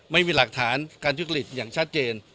ไม่มีหลักฐานคลิกฤทธิภาพอย่างชัดเจน